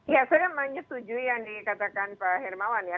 ya saya menyetujui yang dikatakan pak hermawan ya